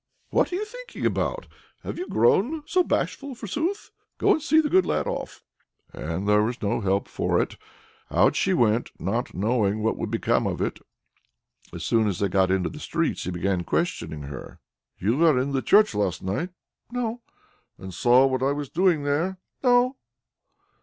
"What are you thinking about? Have you grown so bashful, forsooth? Go and see the good lad off." There was no help for it. Out she went, not knowing what would come of it. As soon as they got into the streets he began questioning her: "You were in the church last night?" "No." "And saw what I was doing there?" "No."